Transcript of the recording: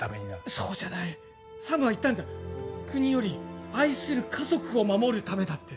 そうじゃない、サムは言ったんだ、国より愛する家族を守るためだって。